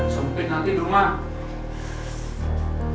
sempin nanti di rumah